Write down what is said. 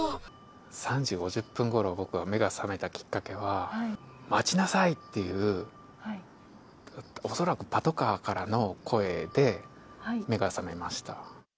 ３時５０分ごろ、僕は目が覚めたきっかけは、待ちなさいっていう、恐らくパトカーからの声で、目が覚めました。